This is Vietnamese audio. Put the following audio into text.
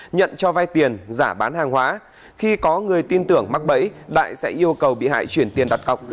nhận cho vay tiền giả bán hàng hóa khi có người tin tưởng mắc bẫy đại sẽ yêu cầu bị hại chuyển tiền đặt cọc